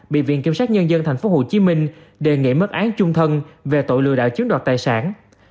bị viện kiểm sát nhân dân tp hcm đề nghị mất án chung thân về tội lừa đạo chiếm đoạt tài sản